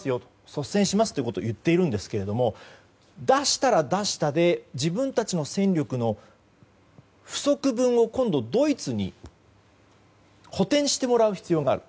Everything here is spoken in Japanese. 率先してと言っているんですけれど出したら出したで自分たちの戦力の不足分を今度、ドイツに補填してもらう必要がある。